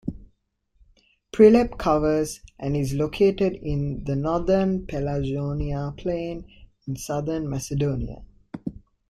Prilep covers and is located in the northern Pelagonia plain, in southern Macedonia.